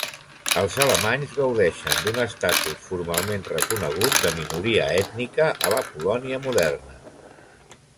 Els alemanys gaudeixen d'un estatus formalment reconegut de minoria ètnica a la Polònia moderna.